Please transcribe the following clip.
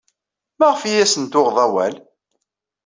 Maɣef ay asen-tuɣeḍ awal?